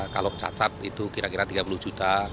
kalau cacat itu kira kira tiga puluh juta